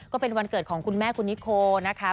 ก็เป็นวันเกิดของคุณแม่คุณนิโคนะคะ